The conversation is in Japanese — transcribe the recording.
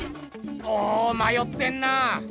おおまよってんな。